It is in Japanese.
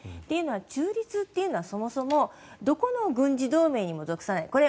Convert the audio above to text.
というのは中立というのはそもそもどこの軍事同盟にも属さない。